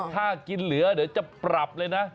ถ้ากินเหลือเดี๋ยวจะปรับเลยนะ